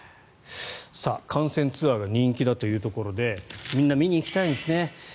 観戦ツアーが人気だというところでみんな見に行きたいんですね。